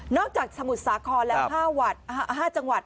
นอกจากอาสมุทรสาคอลครบห้าจังหวัด